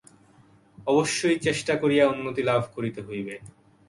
অবশ্যই চেষ্টা করিয়া উন্নতিলাভ করিতে হইবে।